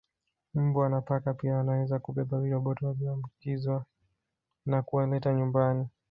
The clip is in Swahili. Mbwa na paka pia wanaweza kubeba viroboto walioambukizwa na kuwaleta nyumbani